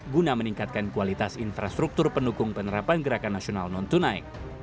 guna meningkatkan kualitas infrastruktur pendukung penerapan gerakan nasional non tunai